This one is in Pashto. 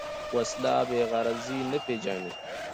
وسله بېغرضي نه پېژني